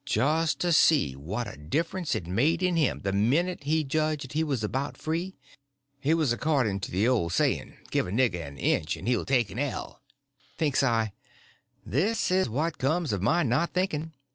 Just see what a difference it made in him the minute he judged he was about free. It was according to the old saying, "Give a nigger an inch and he'll take an ell." Thinks I, this is what comes of my not thinking.